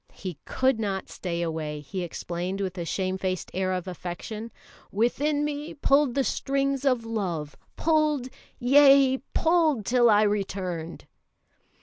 He could not stay away, he explained, with a shame faced air of affection. "Within me pulled the strings of love; pulled, yea, pulled till I returned."